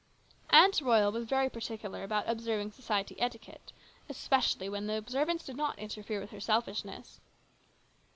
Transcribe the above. Aunt Royal was very particular about observing society etiquette, especially when the observance did not interfere with her selfishness.